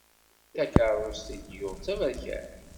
Takeṛṛust i d-yuɣ d taberkant.